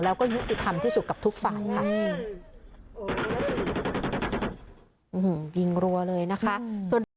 แล้วก็ยุติธรรมที่สุดกับทุกฝ่ายค่ะ